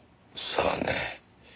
さあね。